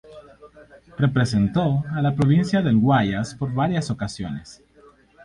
Representó a la Provincia del Guayas por varias ocasiones.